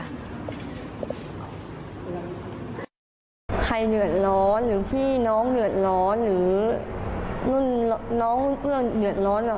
ใครเดือดร้อนหรือพี่น้องเดือดร้อนหรือรุ่นน้องรุ่นเพื่อนเดือดร้อน